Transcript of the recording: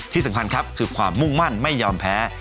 ที่สำคัญครับคือความมุ่งมั่นไม่ยอมแพ้